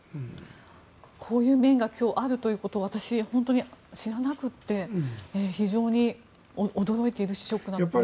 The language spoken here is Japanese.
こういう面があるということを私、本当に知らなくて非常に驚いているしショックな部分がありました。